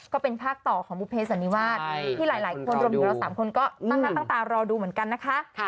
ก็เป็นภาคต่อของบุเภสันนิวาสที่หลายคนรวมอยู่เรา๓คนก็ตั้งหน้าตั้งตารอดูเหมือนกันนะคะ